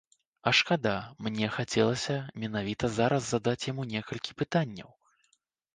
А шкада, мне хацелася менавіта зараз задаць яму некалькі пытанняў.